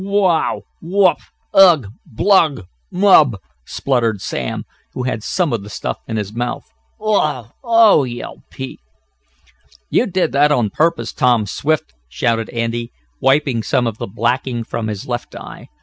"Wow! Wup! Ug! Blug! Mug!" spluttered Sam, who had some of the stuff in his mouth. "Oh! Oh!" yelled Pete. "You did that on purpose, Tom Swift!" shouted Andy, wiping some of the blacking from his left eye.